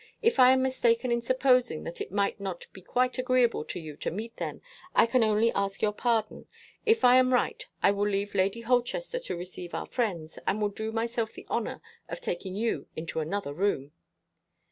If I am mistaken in supposing that it might not be quite agreeable to you to meet them, I can only ask your pardon. If I am right, I will leave Lady Holchester to receive our friends, and will do myself the honor of taking you into another room."